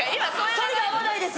反りが合わないです。